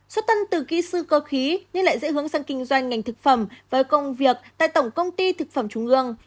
xuất tân từ kỹ sư cơ khí nhưng lại dễ hướng sang kinh doanh ngành thực phẩm với công việc tại tổng công ty thực phẩm trung ương